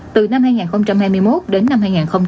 từ năm hai nghìn hai mươi một đến năm hai nghìn ba mươi